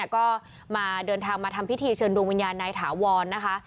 ก็มาเดินทางมาทำพิธีเชิญดวงวิญญาณนายถาวรนะคะ